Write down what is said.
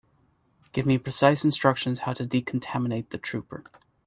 Give me precise instructions how to decontaminate the trooper.